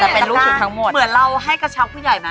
เหมือนเราให้กระชักผู้ใหญ่นะ